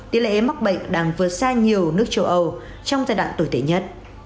tỷ lệ mắc bệnh đang vượt xa nhiều nước châu âu trong giai đoạn tồi tệ nhất